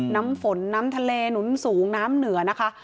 น้ำฝนน้ำทะเลหนุนสูงน้ำเหนือนะคะ